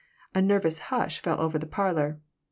A nervous hush fell over the parlor.